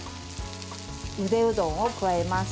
ゆでうどんを加えます。